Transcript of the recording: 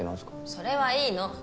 それはいいの！